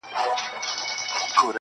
• د تور شیطان د جهل او سوځلي -